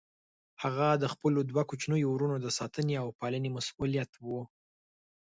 هغه د خپلو دوه کوچنيو وروڼو د ساتنې او پالنې مسئوليت و.